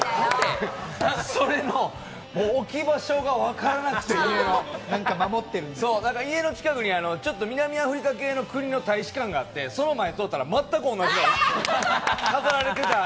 その置き場所がわからなくて、家の近くに南アフリカ系の国の大使館があって、その前を通ったら全く同じものが飾られてた。